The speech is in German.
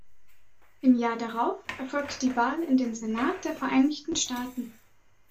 Im Jahr darauf erfolgte die Wahl in den Senat der Vereinigten Staaten.